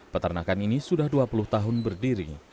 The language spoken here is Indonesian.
peternakan ini sudah dua puluh tahun berdiri